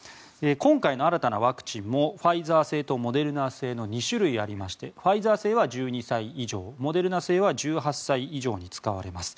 今回の新たなワクチンもファイザー製とモデルナ製の２種類ありましてファイザー製は１２歳以上モデルナ製は１８歳以上に使われます。